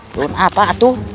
daun apa atuh